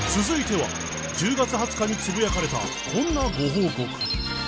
続いては１０月２０日につぶやかれたこんなご報告！